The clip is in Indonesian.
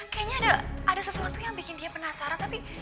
kayaknya ada sesuatu yang bikin dia penasaran tapi